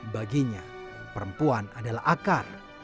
baginya perempuan adalah akar